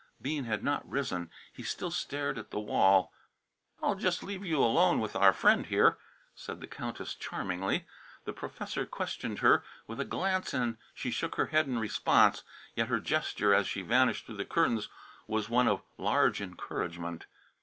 Bean had not risen. He still stared at the wall. "I'll jes' leave you alone with our friend here," said the Countess charmingly. The professor questioned her with a glance and she shook her head in response, yet her gesture as she vanished through the curtains was one of large encouragement.